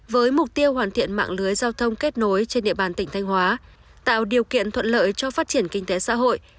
với mục tiêu hoàn thiện mạng lưới giao thông kết nối trên địa bàn tỉnh thanh hóa tạo điều kiện thuận lợi cho phát triển kinh tế xã hội